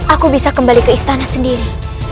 aku bisa kembali ke istana sendiri